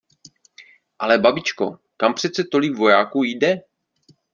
Ale babičko, kam přece tolik vojáků jde?